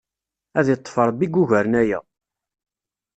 Ad iṭṭef Ṛebbi i yugaren aya!